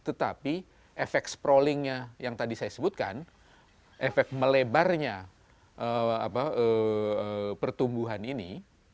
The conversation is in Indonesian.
tetapi efek sprallingnya yang tadi saya sebutkan efek melebarnya pertumbuhan ini